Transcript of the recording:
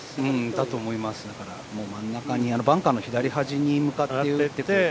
だと思いますからもう真ん中にバンカーの左端に向かって打って。